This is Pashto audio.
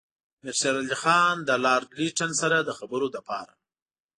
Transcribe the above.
امیر شېر علي خان د لارډ لیټن سره د خبرو لپاره.